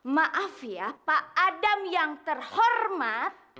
maaf ya pak adam yang terhormat